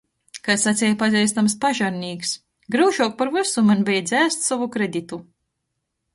Kai saceja pazeistams pažarnīks: "Gryušuok par vysu maņ beja dzēst sovu kreditu"...